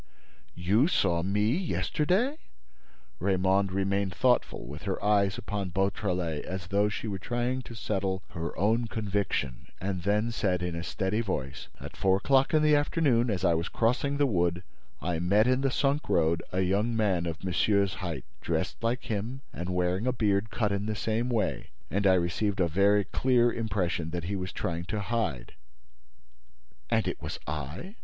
You saw me yesterday?" Raymonde remained thoughtful, with her eyes upon Beautrelet, as though she were trying to settle her own conviction, and then said, in a steady voice: "At four o'clock in the afternoon, as I was crossing the wood, I met in the sunk road a young man of monsieur's height, dressed like him and wearing a beard cut in the same way—and I received a very clear impression that he was trying to hide." "And it was I?"